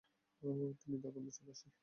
তিনি দেওবন্দ চলে আসেন।